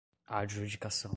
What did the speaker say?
adjudicação